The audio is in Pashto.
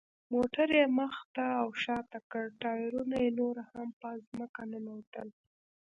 موټر یې مخ ته او شاته کړ، ټایرونه یې نور هم په ځمکه ننوتل.